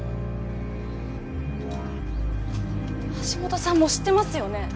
橋本さんも知ってますよね？